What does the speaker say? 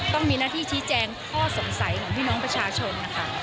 ต้องมีหน้าที่ชี้แจงข้อสงสัยของพี่น้องประชาชนนะคะ